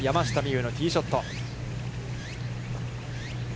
夢有のティーショット。